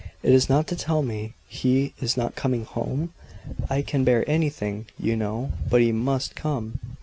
"It is not to tell me he is not coming home? I can bear anything, you know but he MUST come."